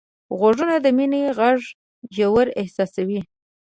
غوږونه د مینې غږ ژور احساسوي